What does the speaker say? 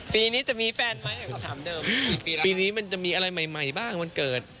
ปีนี้มันจะมีอะไรใหม่บ้างวันเกิด